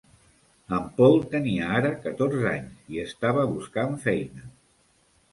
En Paul tenia ara catorze anys i estava buscant feina.